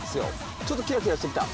ちょっとキラキラしてきた。